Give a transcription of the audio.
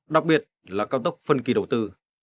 đặc biệt là cao tốc phân kỳ đầu tư